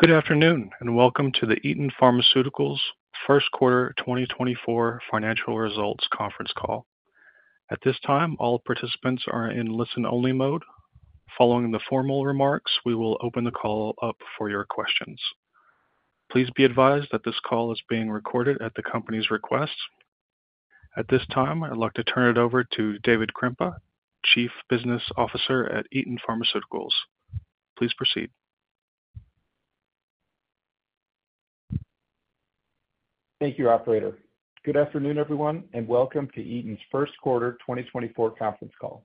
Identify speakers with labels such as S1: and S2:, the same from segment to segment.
S1: Good afternoon and welcome to the Eton Pharmaceuticals First Quarter 2024 Financial Results Conference Call. At this time, all participants are in listen-only mode. Following the formal remarks, we will open the call up for your questions. Please be advised that this call is being recorded at the company's request. At this time, I'd like to turn it over to David Krempa, Chief Business Officer at Eton Pharmaceuticals. Please proceed.
S2: Thank you, Operator. Good afternoon, everyone, and welcome to Eton's First Quarter 2024 Conference Call.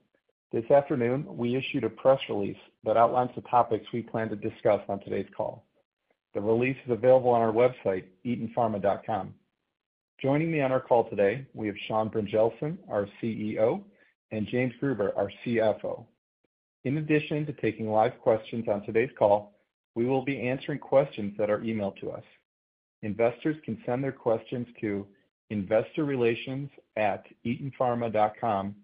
S2: This afternoon, we issued a press release that outlines the topics we plan to discuss on today's call. The release is available on our website, etonpharma.com. Joining me on our call today, we have Sean Brynjelsen, our CEO, and James Gruber, our CFO. In addition to taking live questions on today's call, we will be answering questions that are emailed to us. Investors can send their questions to investorrelations@etonpharma.com.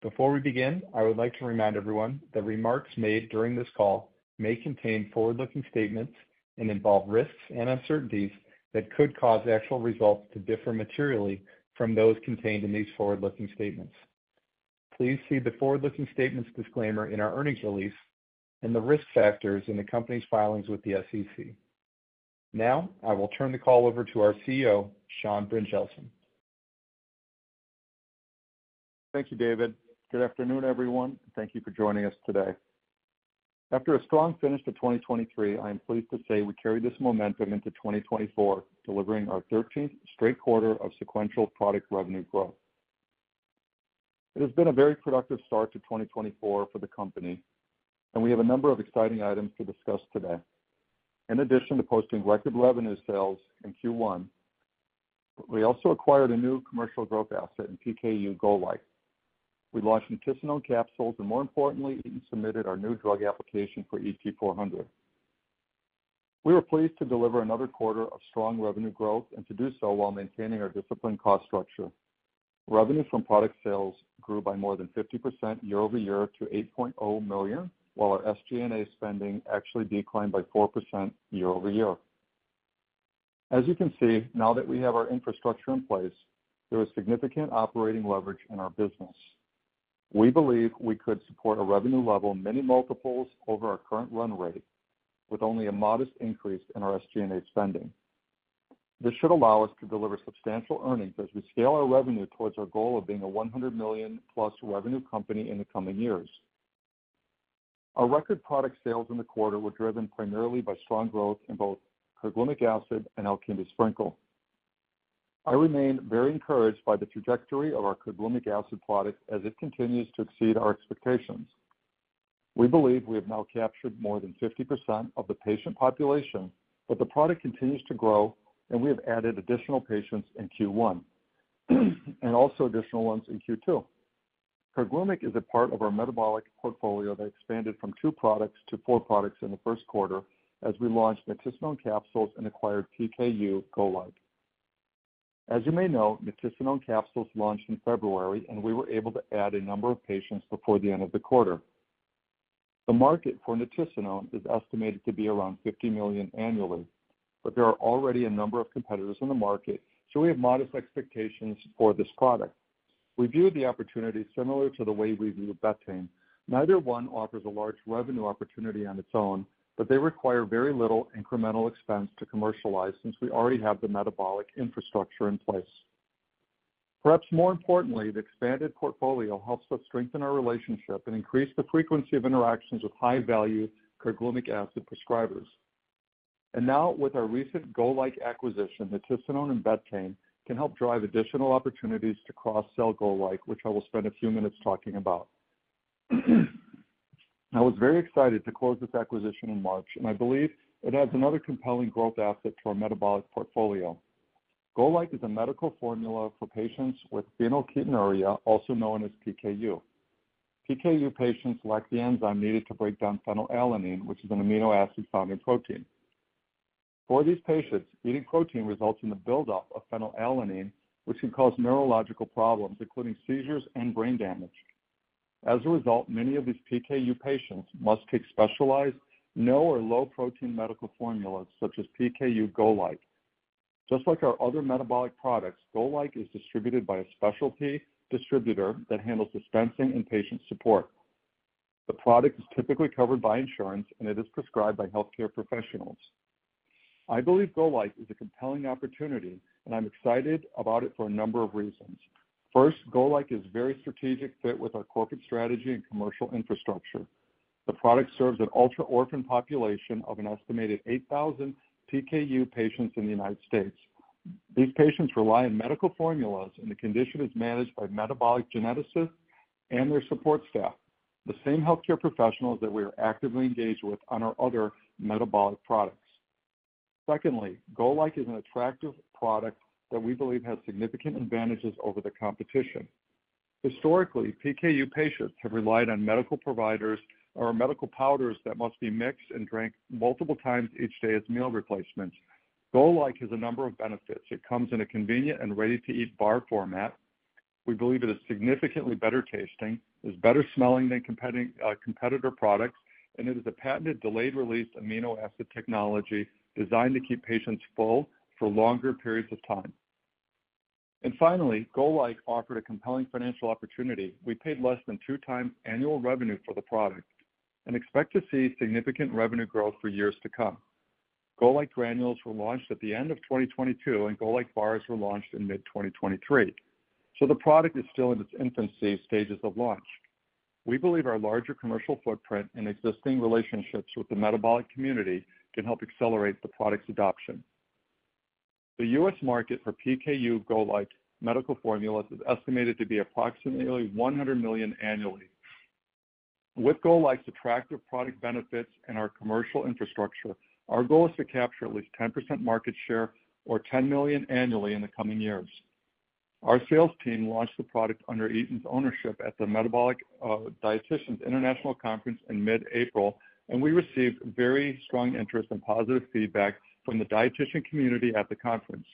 S2: Before we begin, I would like to remind everyone that remarks made during this call may contain forward-looking statements and involve risks and uncertainties that could cause actual results to differ materially from those contained in these forward-looking statements. Please see the forward-looking statements disclaimer in our earnings release and the risk factors in the company's filings with the SEC. Now, I will turn the call over to our CEO, Sean Brynjelsen.
S3: Thank you, David. Good afternoon, everyone, and thank you for joining us today. After a strong finish to 2023, I am pleased to say we carry this momentum into 2024, delivering our 13th straight quarter of sequential product revenue growth. It has been a very productive start to 2024 for the company, and we have a number of exciting items to discuss today. In addition to posting record revenue sales in Q1, we also acquired a new commercial growth asset in PKU GOLIKE. We launched Nitisinone capsules and, more importantly, Eton submitted our new drug application for ET-400. We were pleased to deliver another quarter of strong revenue growth and to do so while maintaining our disciplined cost structure. Revenue from product sales grew by more than 50% year-over-year to $8.0 million, while our SG&A spending actually declined by 4% year-over-year. As you can see, now that we have our infrastructure in place, there is significant operating leverage in our business. We believe we could support a revenue level many multiples over our current run rate with only a modest increase in our SG&A spending. This should allow us to deliver substantial earnings as we scale our revenue towards our goal of being a $100 million-plus revenue company in the coming years. Our record product sales in the quarter were driven primarily by strong growth in both Carglumic Acid and Alkindi Sprinkle. I remain very encouraged by the trajectory of our Carglumic Acid product as it continues to exceed our expectations. We believe we have now captured more than 50% of the patient population, but the product continues to grow, and we have added additional patients in Q1 and also additional ones in Q2. Carglumic is a part of our metabolic portfolio that expanded from two products to four products in the first quarter as we launched Nitisinone capsules and acquired PKU GOLIKE. As you may know, Nitisinone capsules launched in February, and we were able to add a number of patients before the end of the quarter. The market for Nitisinone is estimated to be around $50 million annually, but there are already a number of competitors in the market, so we have modest expectations for this product. We view the opportunity similar to the way we view Betaine. Neither one offers a large revenue opportunity on its own, but they require very little incremental expense to commercialize since we already have the metabolic infrastructure in place. Perhaps more importantly, the expanded portfolio helps us strengthen our relationship and increase the frequency of interactions with high-value Carglumic acid prescribers. And now, with our recent GOLIKE acquisition, Nitisinone and Betaine can help drive additional opportunities to cross-sell GOLIKE, which I will spend a few minutes talking about. I was very excited to close this acquisition in March, and I believe it adds another compelling growth asset to our metabolic portfolio. GOLIKE is a medical formula for patients with phenylketonuria, also known as PKU. PKU patients lack the enzyme needed to break down phenylalanine, which is an amino acid found in protein. For these patients, eating protein results in the buildup of phenylalanine, which can cause neurological problems, including seizures and brain damage. As a result, many of these PKU patients must take specialized, low-protein medical formulas such as PKU GOLIKE. Just like our other metabolic products, GOLIKE is distributed by a specialty distributor that handles dispensing and patient support. The product is typically covered by insurance, and it is prescribed by healthcare professionals. I believe GOLIKE is a compelling opportunity, and I'm excited about it for a number of reasons. First, GOLIKE is a very strategic fit with our corporate strategy and commercial infrastructure. The product serves an ultra-orphan population of an estimated 8,000 PKU patients in the United States. These patients rely on medical formulas, and the condition is managed by metabolic geneticists and their support staff, the same healthcare professionals that we are actively engaged with on our other metabolic products. Secondly, GOLIKE is an attractive product that we believe has significant advantages over the competition. Historically, PKU patients have relied on medical providers or medical powders that must be mixed and drank multiple times each day as meal replacements. GOLIKE has a number of benefits. It comes in a convenient and ready-to-eat bar format. We believe it is significantly better tasting, is better smelling than competitor products, and it is a patented delayed-release amino acid technology designed to keep patients full for longer periods of time. Finally, GOLIKE offered a compelling financial opportunity. We paid less than 2x annual revenue for the product and expect to see significant revenue growth for years to come. GOLIKE granules were launched at the end of 2022, and GOLIKE bars were launched in mid-2023. The product is still in its infancy stages of launch. We believe our larger commercial footprint and existing relationships with the metabolic community can help accelerate the product's adoption. The U.S. market for PKU GOLIKE medical formulas is estimated to be approximately $100 million annually. With GOLIKE's attractive product benefits and our commercial infrastructure, our goal is to capture at least 10% market share or $10 million annually in the coming years. Our sales team launched the product under Eton's ownership at the Metabolic Dietitians International Conference in mid-April, and we received very strong interest and positive feedback from the dietitian community at the conference.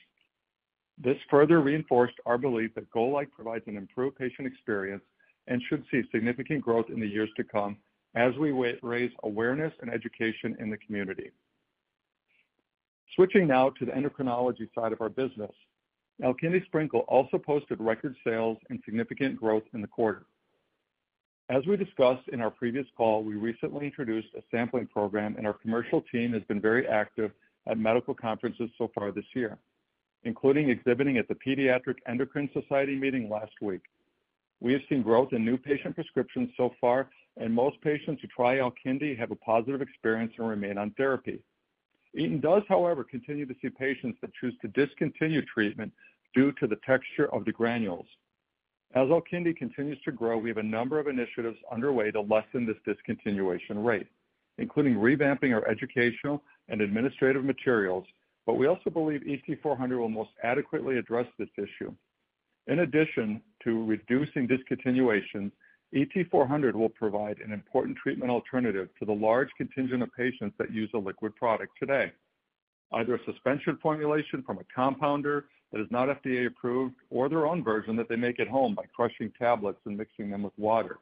S3: This further reinforced our belief that GOLIKE provides an improved patient experience and should see significant growth in the years to come as we raise awareness and education in the community. Switching now to the endocrinology side of our business, ALKINDI SPRINKLE also posted record sales and significant growth in the quarter. As we discussed in our previous call, we recently introduced a sampling program, and our commercial team has been very active at medical conferences so far this year, including exhibiting at the Pediatric Endocrine Society meeting last week. We have seen growth in new patient prescriptions so far, and most patients who try Alkindi have a positive experience and remain on therapy. Eton does, however, continue to see patients that choose to discontinue treatment due to the texture of the granules. As Alkindi continues to grow, we have a number of initiatives underway to lessen this discontinuation rate, including revamping our educational and administrative materials, but we also believe ET-400 will most adequately address this issue. In addition to reducing discontinuations, ET-400 will provide an important treatment alternative to the large contingent of patients that use a liquid product today, either a suspension formulation from a compounder that is not FDA approved or their own version that they make at home by crushing tablets and mixing them with water,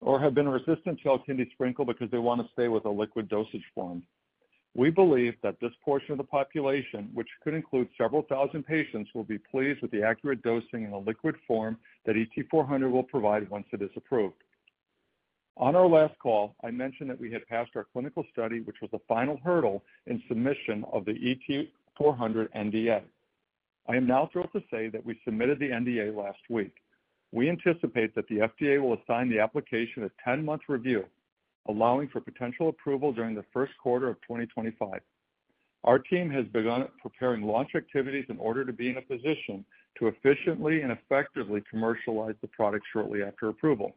S3: or have been resistant to Alkindi Sprinkle because they want to stay with a liquid dosage form. We believe that this portion of the population, which could include several thousand patients, will be pleased with the accurate dosing and the liquid form that ET-400 will provide once it is approved. On our last call, I mentioned that we had passed our clinical study, which was the final hurdle in submission of the ET-400 NDA. I am now thrilled to say that we submitted the NDA last week. We anticipate that the FDA will assign the application a 10-month review, allowing for potential approval during the first quarter of 2025. Our team has begun preparing launch activities in order to be in a position to efficiently and effectively commercialize the product shortly after approval.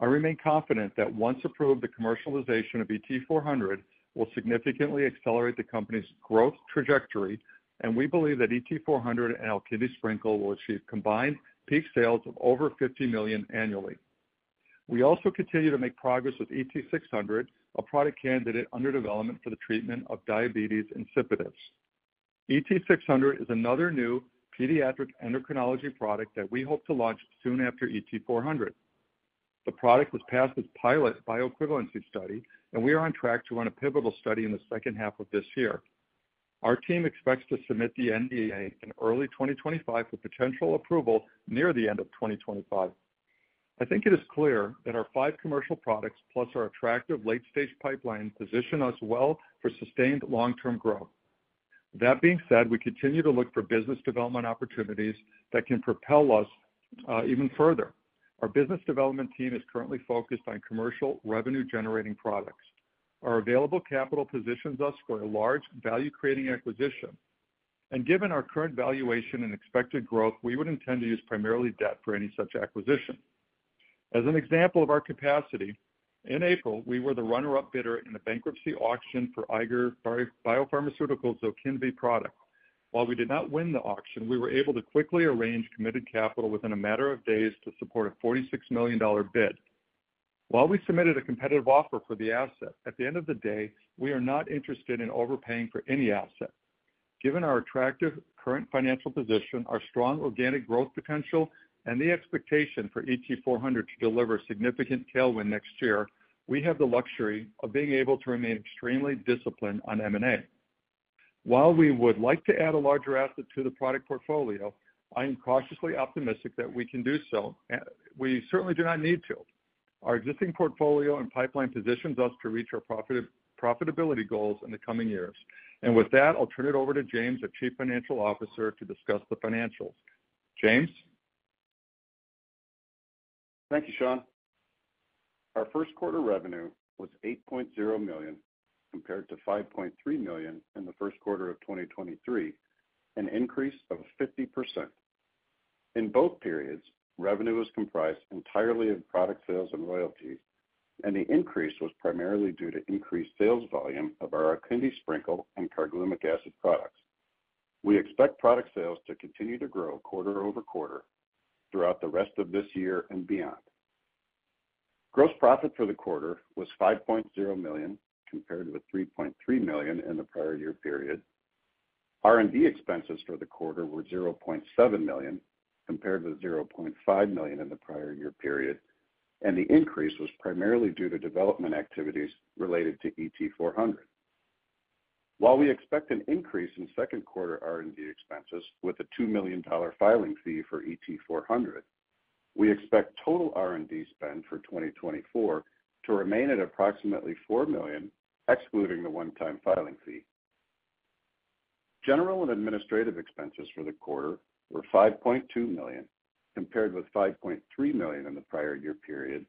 S3: I remain confident that once approved, the commercialization of ET-400 will significantly accelerate the company's growth trajectory, and we believe that ET-400 and Alkindi Sprinkle will achieve combined peak sales of over $50 million annually. We also continue to make progress with ET-600, a product candidate under development for the treatment of diabetes insipidus. ET-600 is another new pediatric endocrinology product that we hope to launch soon after ET-400. The product was passed as pilot bioequivalency study, and we are on track to run a pivotal study in the second half of this year. Our team expects to submit the NDA in early 2025 for potential approval near the end of 2025. I think it is clear that our five commercial products, plus our attractive late-stage pipeline, position us well for sustained long-term growth. That being said, we continue to look for business development opportunities that can propel us even further. Our business development team is currently focused on commercial revenue-generating products. Our available capital positions us for a large value-creating acquisition. And given our current valuation and expected growth, we would intend to use primarily debt for any such acquisition. As an example of our capacity, in April, we were the runner-up bidder in a bankruptcy auction for Eiger BioPharmaceuticals' Zokinvy product. While we did not win the auction, we were able to quickly arrange committed capital within a matter of days to support a $46 million bid. While we submitted a competitive offer for the asset, at the end of the day, we are not interested in overpaying for any asset. Given our attractive current financial position, our strong organic growth potential, and the expectation for ET-400 to deliver significant tailwind next year, we have the luxury of being able to remain extremely disciplined on M&A. While we would like to add a larger asset to the product portfolio, I am cautiously optimistic that we can do so. We certainly do not need to. Our existing portfolio and pipeline positions us to reach our profitability goals in the coming years. And with that, I'll turn it over to James, our Chief Financial Officer, to discuss the financials. James?
S4: Thank you, Sean. Our first quarter revenue was $8.0 million compared to $5.3 million in the first quarter of 2023, an increase of 50%. In both periods, revenue was comprised entirely of product sales and royalties, and the increase was primarily due to increased sales volume of our Alkindi Sprinkle and Carglumic Acid products. We expect product sales to continue to grow quarter-over-quarter throughout the rest of this year and beyond. Gross profit for the quarter was $5.0 million compared with $3.3 million in the prior year period. R&D expenses for the quarter were $0.7 million compared with $0.5 million in the prior year period, and the increase was primarily due to development activities related to ET-400. While we expect an increase in second quarter R&D expenses with a $2 million filing fee for ET-400, we expect total R&D spend for 2024 to remain at approximately $4 million, excluding the one-time filing fee. General and administrative expenses for the quarter were $5.2 million compared with $5.3 million in the prior year period,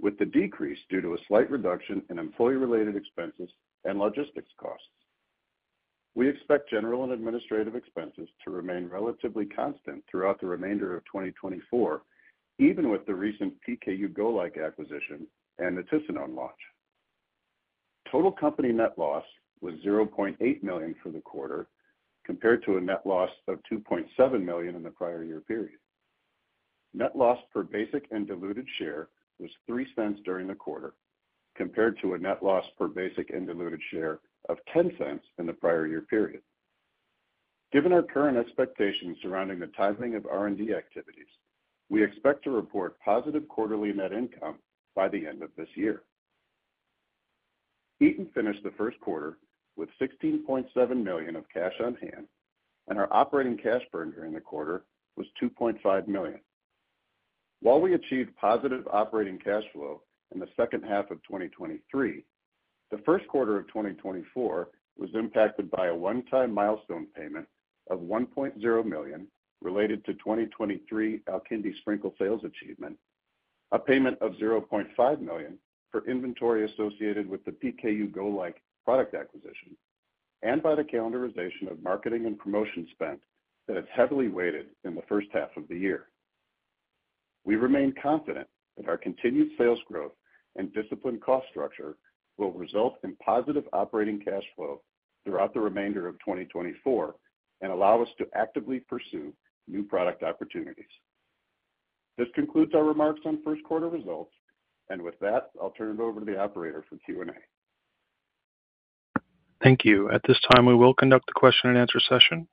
S4: with the decrease due to a slight reduction in employee-related expenses and logistics costs. We expect general and administrative expenses to remain relatively constant throughout the remainder of 2024, even with the recent PKU GOLIKE acquisition and Nitisinone launch. Total company net loss was $0.8 million for the quarter compared to a net loss of $2.7 million in the prior year period. Net loss per basic and diluted share was $0.03 during the quarter compared to a net loss per basic and diluted share of $0.10 in the prior year period. Given our current expectations surrounding the timing of R&D activities, we expect to report positive quarterly net income by the end of this year. Eton finished the first quarter with $16.7 million of cash on hand, and our operating cash burn during the quarter was $2.5 million. While we achieved positive operating cash flow in the second half of 2023, the first quarter of 2024 was impacted by a one-time milestone payment of $1.0 million related to 2023 Alkindi Sprinkle sales achievement, a payment of $0.5 million for inventory associated with the PKU GOLIKE product acquisition, and by the calendarization of marketing and promotion spend that has heavily weighed in the first half of the year. We remain confident that our continued sales growth and disciplined cost structure will result in positive operating cash flow throughout the remainder of 2024 and allow us to actively pursue new product opportunities. This concludes our remarks on first quarter results. With that, I'll turn it over to the operator for Q&A.
S1: Thank you. At this time, we will conduct the question-and-answer session.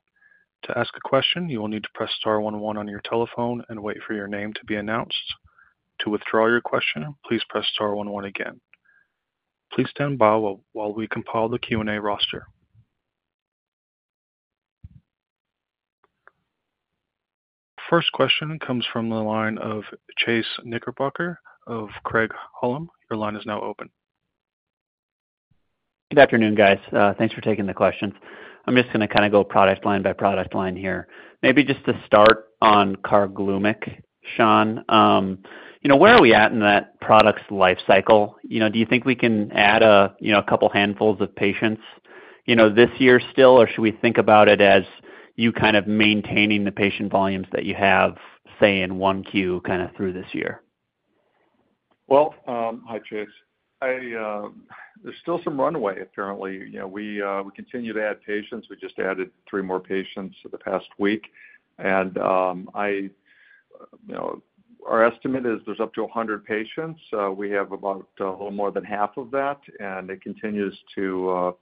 S1: To ask a question, you will need to press star 11 on your telephone and wait for your name to be announced. To withdraw your question, please press star 11 again. Please stand by while we compile the Q&A roster. First question comes from the line of Chase Knickerbocker of Craig-Hallum. Your line is now open.
S5: Good afternoon, guys. Thanks for taking the questions. I'm just going to kind of go product line by product line here. Maybe just to start on Carglumic, Sean, where are we at in that product's lifecycle? Do you think we can add a couple handfuls of patients this year still, or should we think about it as you kind of maintaining the patient volumes that you have, say, in Q1 kind of through this year?
S3: Well, hi, Chase. There's still some runway, apparently. We continue to add patients. We just added 3 more patients the past week. Our estimate is there's up to 100 patients. We have about a little more than half of that, and it continues to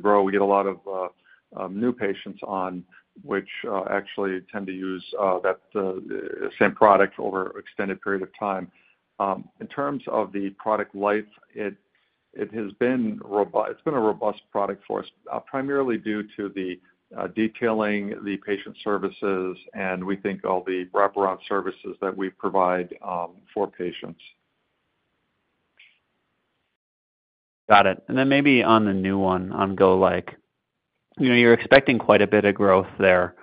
S3: grow. We get a lot of new patients on which actually tend to use that same product over an extended period of time. In terms of the product life, it has been a robust product for us, primarily due to the detailing, the patient services, and we think all the wraparound services that we provide for patients.
S5: Got it. Then maybe on the new one on GOLIKE, you're expecting quite a bit of growth there.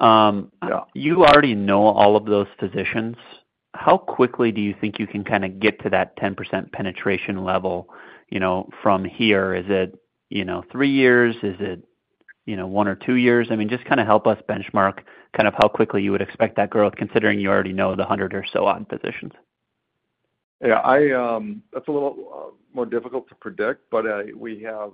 S5: You already know all of those physicians. How quickly do you think you can kind of get to that 10% penetration level from here? Is it three years? Is it one or two years? I mean, just kind of help us benchmark kind of how quickly you would expect that growth, considering you already know the 100 or so odd physicians.
S3: Yeah. That's a little more difficult to predict, but we have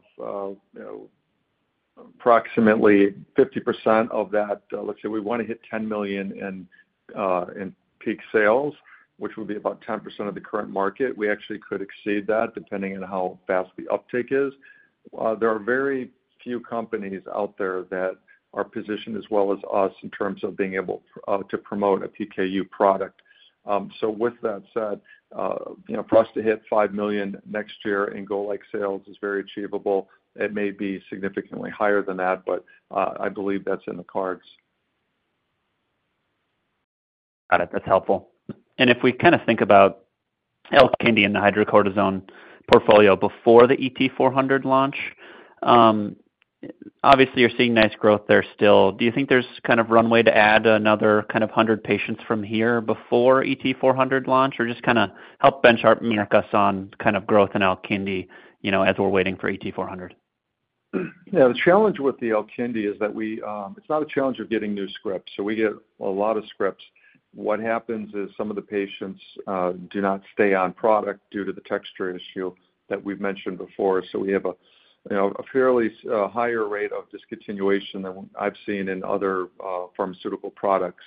S3: approximately 50% of that. Let's say we want to hit $10 million in peak sales, which would be about 10% of the current market. We actually could exceed that, depending on how fast the uptake is. There are very few companies out there that are positioned as well as us in terms of being able to promote a PKU product. So with that said, for us to hit $5 million next year in GOLIKE sales is very achievable. It may be significantly higher than that, but I believe that's in the cards.
S5: Got it. That's helpful. And if we kind of think about Alkindi and the hydrocortisone portfolio before the ET-400 launch, obviously, you're seeing nice growth there still. Do you think there's kind of runway to add another kind of 100 patients from here before ET-400 launch, or just kind of help benchmark us on kind of growth in Alkindi as we're waiting for ET-400?
S3: Yeah. The challenge with the Alkindi is that it's not a challenge of getting new scripts. So we get a lot of scripts. What happens is some of the patients do not stay on product due to the texture issue that we've mentioned before. So we have a fairly higher rate of discontinuation than I've seen in other pharmaceutical products.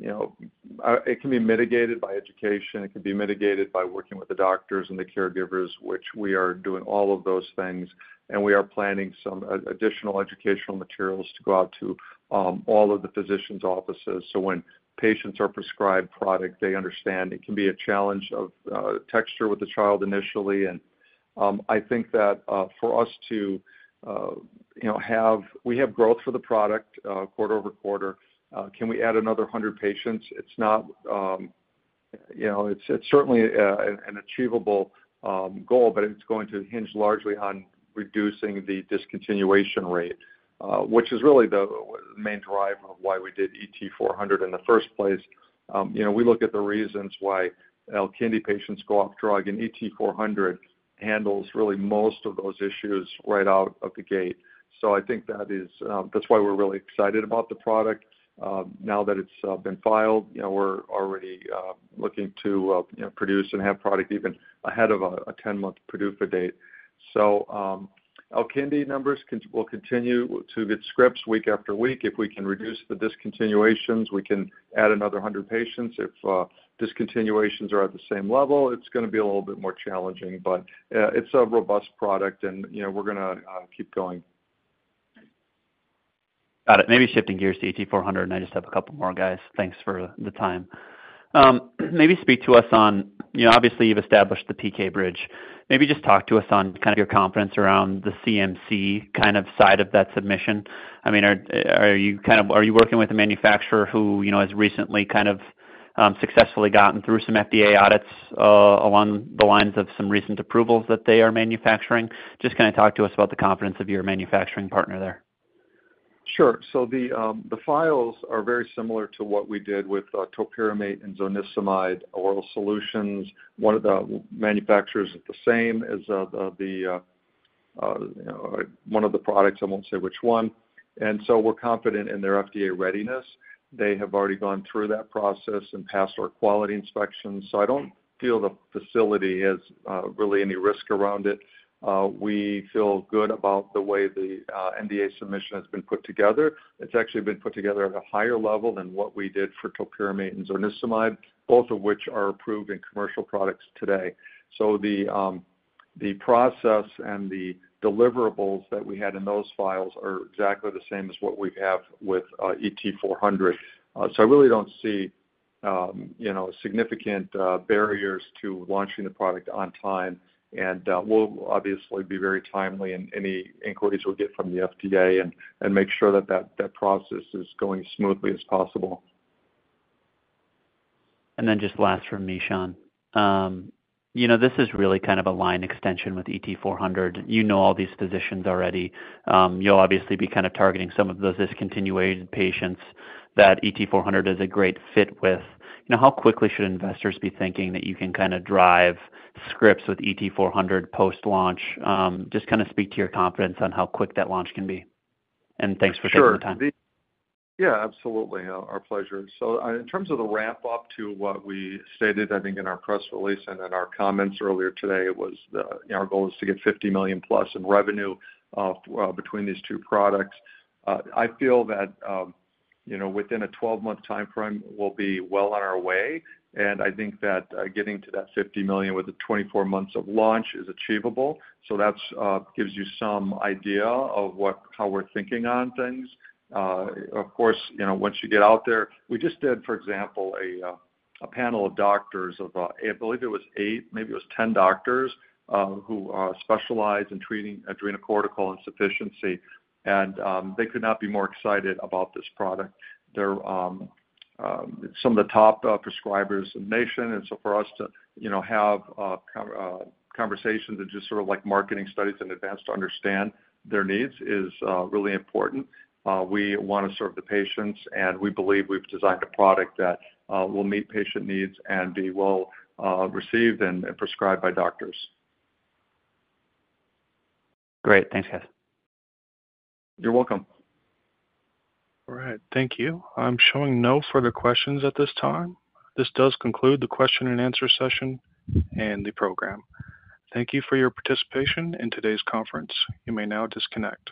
S3: It can be mitigated by education. It can be mitigated by working with the doctors and the caregivers, which we are doing all of those things. And we are planning some additional educational materials to go out to all of the physicians' offices. So when patients are prescribed product, they understand it can be a challenge of texture with the child initially. And I think that for us to have we have growth for the product quarter over quarter. Can we add another 100 patients? It's certainly an achievable goal, but it's going to hinge largely on reducing the discontinuation rate, which is really the main driver of why we did ET-400 in the first place. We look at the reasons why Alkindi patients go off drug. And ET-400 handles really most of those issues right out of the gate. So I think that's why we're really excited about the product. Now that it's been filed, we're already looking to produce and have product even ahead of a 10-month PDUFA date. So Alkindi numbers will continue to get scripts week after week. If we can reduce the discontinuations, we can add another 100 patients. If discontinuations are at the same level, it's going to be a little bit more challenging. But it's a robust product, and we're going to keep going.
S5: Got it. Maybe shifting gears to ET-400. And I just have a couple more, guys. Thanks for the time. Maybe speak to us on obviously, you've established the PK bridge. Maybe just talk to us on kind of your confidence around the CMC kind of side of that submission. I mean, are you kind of are you working with a manufacturer who has recently kind of successfully gotten through some FDA audits along the lines of some recent approvals that they are manufacturing? Just kind of talk to us about the confidence of your manufacturing partner there.
S3: Sure. So the files are very similar to what we did with topiramate and zonisamide oral solutions. One of the manufacturers is the same as the one of the products. I won't say which one. And so we're confident in their FDA readiness. They have already gone through that process and passed our quality inspections. So I don't feel the facility has really any risk around it. We feel good about the way the NDA submission has been put together. It's actually been put together at a higher level than what we did for topiramate and zonisamide, both of which are approved in commercial products today. So the process and the deliverables that we had in those files are exactly the same as what we have with ET-400. So I really don't see significant barriers to launching the product on time. We'll obviously be very timely in any inquiries we get from the FDA and make sure that that process is going as smoothly as possible.
S5: And then just last from me, Sean. This is really kind of a line extension with ET-400. You know all these physicians already. You'll obviously be kind of targeting some of those discontinued patients that ET-400 is a great fit with. How quickly should investors be thinking that you can kind of drive scripts with ET-400 post-launch? Just kind of speak to your confidence on how quick that launch can be. And thanks for taking the time.
S3: Sure. Yeah, absolutely. Our pleasure. So in terms of the wrap-up to what we stated, I think, in our press release and in our comments earlier today, our goal is to get $50 million-plus in revenue between these two products. I feel that within a 12-month timeframe, we'll be well on our way. And I think that getting to that $50 million within 24 months of launch is achievable. So that gives you some idea of how we're thinking on things. Of course, once you get out there we just did, for example, a panel of doctors of I believe it was eight. Maybe it was 10 doctors who specialize in treating adrenocortical insufficiency. And they could not be more excited about this product. They're some of the top prescribers in the nation. And so for us to have conversations and just sort of marketing studies in advance to understand their needs is really important. We want to serve the patients, and we believe we've designed a product that will meet patient needs and be well received and prescribed by doctors.
S5: Great. Thanks, guys.
S3: You're welcome.
S1: All right. Thank you. I'm showing no further questions at this time. This does conclude the question-and-answer session and the program. Thank you for your participation in today's conference. You may now disconnect.